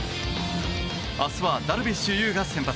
明日はダルビッシュ有が先発。